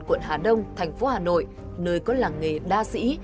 quận hà đông thành phố hà nội nơi có làng nghề đa sĩ